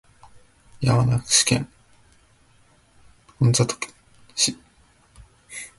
山梨県韮崎市